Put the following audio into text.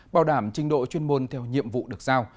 bảo đảm trình độ chuyên môn theo nhiệm vụ được giao